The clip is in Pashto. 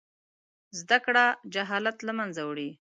زده کړې جهالت له منځه وړي.